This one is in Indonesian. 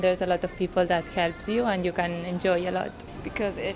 dan banyak orang yang membantu dan bisa kalian nikmati